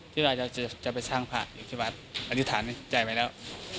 ที่เราจะไปสร้างพระอยู่ที่วัดอธิษฐานในใจไว้แล้ว